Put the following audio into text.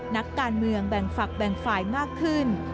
นักการเมืองแบ่งฝักแบ่งฝ่ายมากขึ้น